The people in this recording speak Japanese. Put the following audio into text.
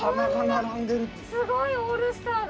すごいオールスターの！